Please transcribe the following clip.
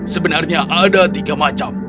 sebenarnya ada tiga macam